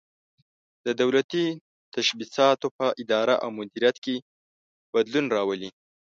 د دولتي تشبثاتو په اداره او مدیریت کې بدلون راولي.